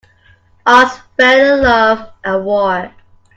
All's fair in love and war.